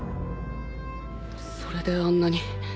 それであんなに。